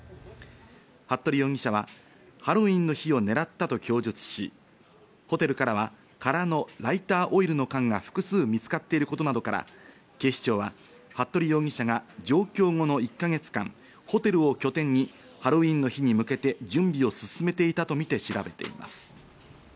服部容疑者は、ハロウィーンの日を狙ったと供述し、ホテルからは空のライターオイルの缶が複数見つかっていることなどから警視庁は服部容疑者が上京後の１か月間、ホテルを拠点にハロウィーンの日に向けて準備を進めていたとみて調べています。